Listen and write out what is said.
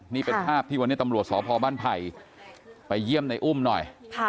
นี่เป็นภาพที่วันนี้ตำรวจสพบ้านไผ่ไปเยี่ยมในอุ้มหน่อย